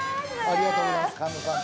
ありがとうございます菅野さん